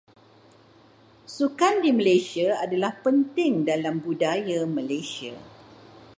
Sukan di Malaysia adalah penting dalam budaya Malaysia.